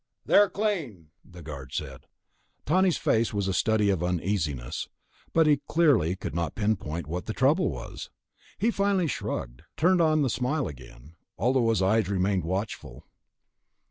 "They're clean," the guard said. Tawney's face was a study of uneasiness, but he clearly could not pinpoint what the trouble was. Finally he shrugged, turned on the smile again, although his eyes remained watchful.